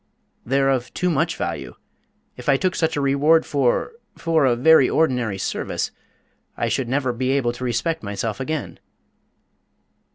"They're of too much value. If I took such a reward for for a very ordinary service, I should never be able to respect myself again."